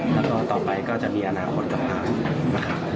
แล้วก็ต่อไปก็จะมีอนาคตต่างนะคะ